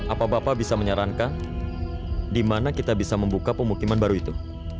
apa bapak bisa menyarankan di mana kita bisa membuka pemukiman baru itu